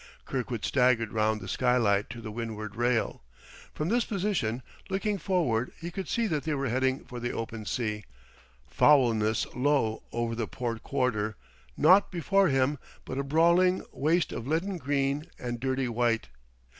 Kirkwood staggered round the skylight to the windward rail. From this position, looking forward, he could see that they were heading for the open sea, Foulness low over the port quarter, naught before them but a brawling waste of leaden green and dirty white.